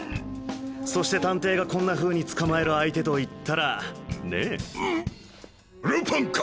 そして探偵がこんなふうに捕まえる相手といったら。ねぇ？ルパンか？